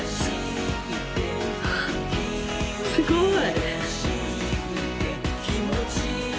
すごい！